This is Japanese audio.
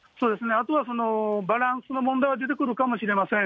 あとはバランスの問題は出てくるかもしれません。